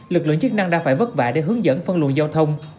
lực lượng chức năng đã phải vất vả để hướng dẫn phân luận giao thông